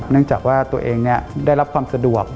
เนื่องจากว่าตัวเองได้รับความสะดวก